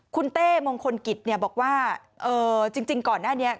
คุณเต้มงคลกิจบอกว่าจริงก่อนหน้านี้